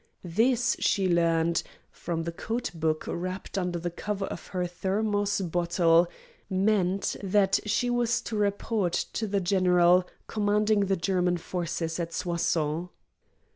This, she learned from the code book wrapped under the cover of her thermos bottle, meant that she was to report to the general commanding the German forces at Soissons.